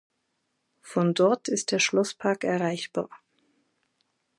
Von dort ist der Schlosspark erreichbar.